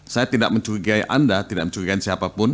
saya tidak mencurigai anda tidak mencurigai siapapun